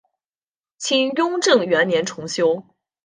清雍正元年重修。